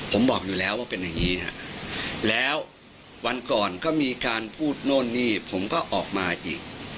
ผมบอกอยู่แล้วว่าเป็นอย่างนี้ฮะแล้ววันก่อนก็มีการพูดโน่นนี่ผมก็ออกมาอีก